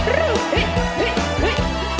ดีมากคือ